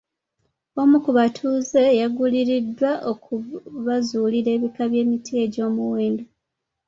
Omu ku batuuze yaguliriddwa okubazuulira ebika by'emiti egy'omuwendo.